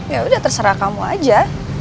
ya udah terserah kamu aja